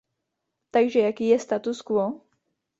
Takže jaký je status quo?